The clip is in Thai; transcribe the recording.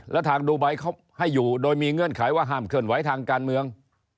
แล้วทางดูไบเขาให้อยู่โดยมีเงื่อนไขว่าห้ามเคลื่อนไหวทางการเมือง